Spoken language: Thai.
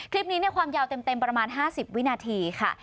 คลิปนี้ความยาวเต็มประมาณ๕๐วินาทีค่ะ